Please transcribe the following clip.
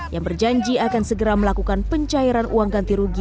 yang berjanji akan segera melakukan pencairan uang ganti rugi